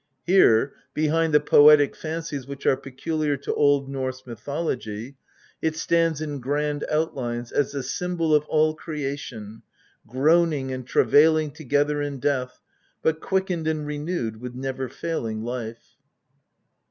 Here, behind the poetic fancies, which are peculiar to Old Norse mythology, it stands in grand outlines as the symbol of all creation groaning and travailing together in death, but quickened and renewed with never failing life.